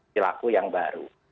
perilaku yang baru